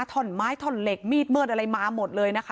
ท่อนไม้ท่อนเหล็กมีดมืดอะไรมาหมดเลยนะคะ